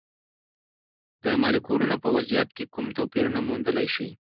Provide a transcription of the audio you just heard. د مالیکولونو په وضعیت کې کوم توپیرونه موندلی شئ؟